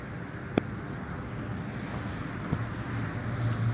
Escondidos debajo de las escamas están los esporangios, con las esporas.